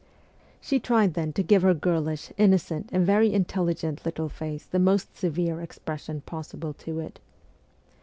She tried then to give to her girlish, innocent, and very intelligent little face the most severe expression possible to it.